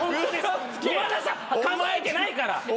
今田さん数えてないから。